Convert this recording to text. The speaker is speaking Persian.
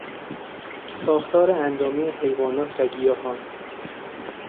ساختار اندامی حیوانات و گیاهان